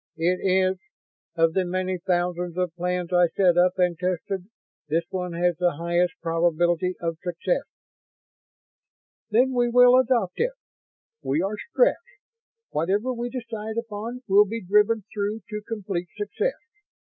"It is. Of the many thousands of plans I set up and tested, this one has the highest probability of success." "Then we will adopt it. We are Stretts. Whatever we decide upon will be driven through to complete success.